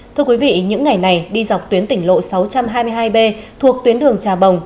thưa quý vị những ngày này đi dọc tuyến tỉnh lộ sáu trăm hai mươi hai b thuộc tuyến đường trà bồng